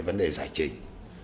vấn đề giải trình